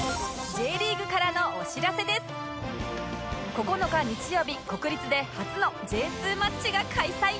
９日日曜日国立で初の Ｊ２ マッチが開催